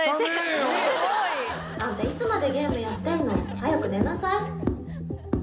あんたいつまでゲームやってんの。早く寝なさい。